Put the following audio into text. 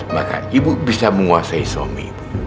maka ibu bisa menguasai suami